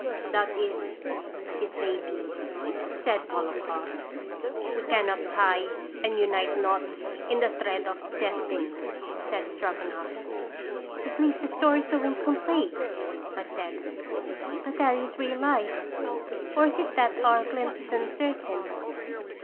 " That is as it may be," said Volokhoff. Qt radons tHsitation. 197 " We cannot tie and unite knots in the thread of destiny," said Stroganoff. " It leaves the story so incomplete," I said. " But that is real life. Or is it that our glimpse is uncertain?"